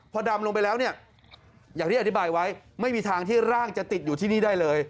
พอดำลงไปแล้วเนี่ยอย่างที่อธิบายไว้ไม่มีทางที่ร่างจะติดอยู่ที่นี่ได้เลย